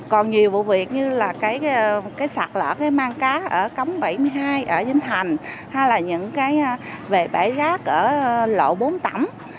còn nhiều vụ việc như là cái sạc lỡ mang cá ở cống bảy mươi hai ở vinh thành hay là những cái vệ bãi rác ở lộ bốn tẩm